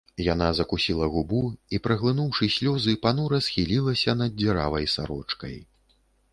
Яна закусіла губу і, праглынуўшы слёзы, панура схілілася над дзіравай сарочкай.